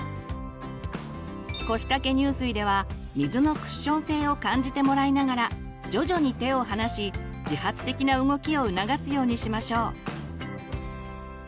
腰掛け入水では水のクッション性を感じてもらいながら徐々に手を離し自発的な動きを促すようにしましょう。